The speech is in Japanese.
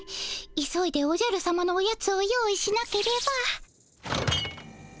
急いでおじゃるさまのおやつを用意しなければ。